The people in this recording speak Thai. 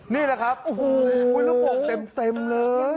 นี่แหละครับโอ้โหระบบเต็มเลย